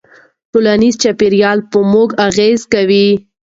ټولنیز چاپېریال په موږ اغېزه کوي.